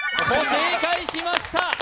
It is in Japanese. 正解しました。